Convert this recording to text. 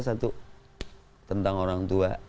satu tentang orang tua